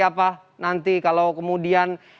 apa nanti kalau kemudian